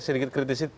saya ingin mencetisi